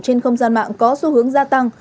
trên không gian mạng có xu hướng gia tăng